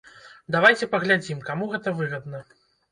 Давайце паглядзім, каму гэта выгадна.